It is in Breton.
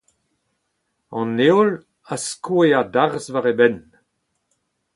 An heol a skoe a-darzh war e benn.